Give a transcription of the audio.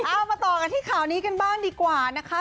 เอามาต่อกันที่ข่าวนี้กันบ้างดีกว่านะคะ